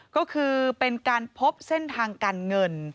ก็คือเป็นการพบเส้นทางการเงิน